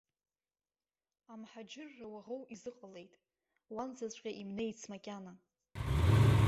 Амҳаџьырра уаӷоу изыҟалеит, уанӡаҵәҟьа имнеиц макьана.